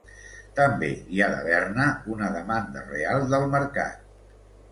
També hi ha d'haver-ne una demanda real del mercat.